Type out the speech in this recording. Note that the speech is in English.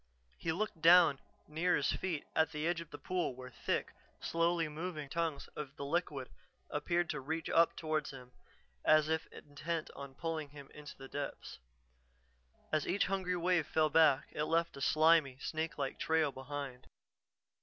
He looked down near his feet at the edge of the pool where thick, slowly moving tongues of the liquid appeared to reach up toward him, as if intent on pulling him into its depths. As each hungry wave fell back, it left a slimy, snake like trail behind.